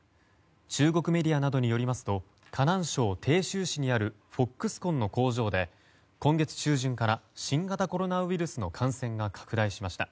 中国メディアなどによりますと河南省鄭州市にあるフォックスコンの工場で今月中旬から新型コロナウイルスの感染が拡大しました。